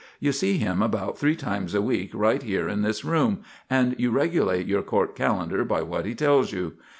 You see him about three times a week right here in this room, and you regulate your court calendar by what he tells you.